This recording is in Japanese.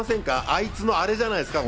あいつのあれじゃないですか？